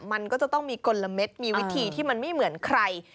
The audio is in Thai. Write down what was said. มันก็จะต้องมีกลมมีวิธีที่มันไม่เหมือนใคร